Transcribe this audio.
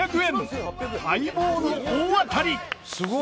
待望の大当たり！